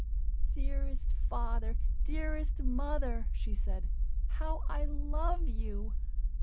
"Dearest father, dearest mother," she said, "how I love you!